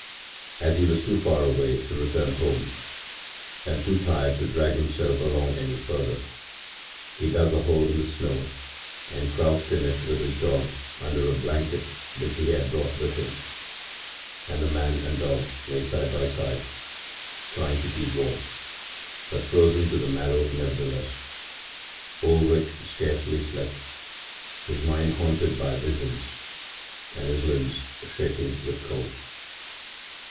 As he was too far away to return home and too tired to drag himself along any further, he dug a hole in the snow and crouched in it with his dog under a blanket which he had brought with him. And the man and the dog lay side by side, trying to keep warm, but frozen to the marrow nevertheless. Ulrich scarcely slept, his mind haunted by visions and his limbs shaking with cold.